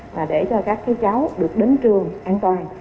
và để cho các cháu được đến trường an toàn